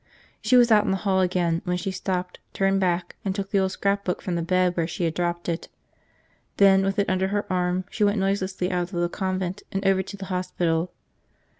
She was out in the hall again when she stopped, turned back, and took the old scrapbook from the bed where she had dropped it. Then, with it under her arm, she went noiselessly out of the convent and over to the hospital.